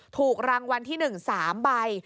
ถูกรางวัลที่หนึ่ง๓ใบ